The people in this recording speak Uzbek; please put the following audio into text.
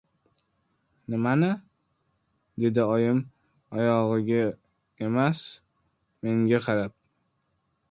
— Nimani? — dedi oyim oyog‘iga emas, menga qarab.